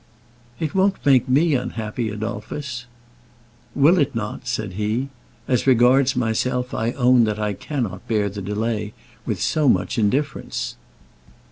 "It won't make me unhappy, Adolphus." "Will it not?" said he. "As regards myself, I own that I cannot bear the delay with so much indifference."